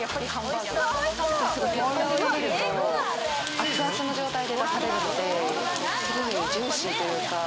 熱々の状態で出されるのでジューシーというか。